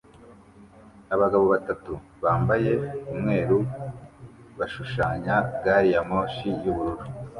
Abagabo batatu bambaye umweru bashushanya gari ya moshi y'ubururu